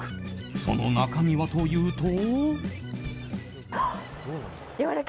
その中身はというと。